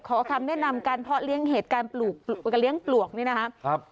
ขอคำแนะนำการเพาะเลี้ยงเหตุการณ์เลี้ยงปลวกนี่นะครับ